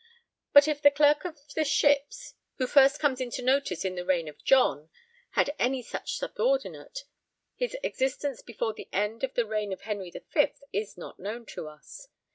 But if the Clerk of the Ships, who first comes into notice in the reign of John, had any such subordinate, his existence before the end of the reign of Henry V is not known to us.